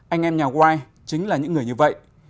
anh em nhà waii chính là những người như vậy